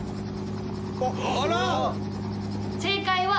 「あら！」